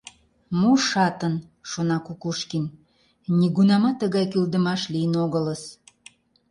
«Мо шатын! — шона Кукушкин, — нигунамат тыгай кӱлдымаш лийын огылыс...